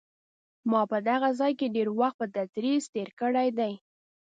ما په دغه ځای کې ډېر وخت په تدریس تېر کړی دی.